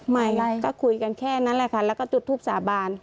ไม่ก็คุยกันแค่นั้นแหละค่ะแล้วก็จุดทูปสาบาน